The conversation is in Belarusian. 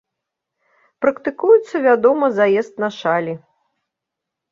Практыкуецца, вядома, заезд на шалі.